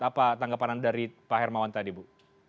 apa tanggapan anda dari pak hermawan tadi bu